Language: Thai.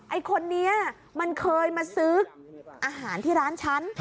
ไอ้คนนี้มันเคยมาซื้ออาหารที่ร้านฉัน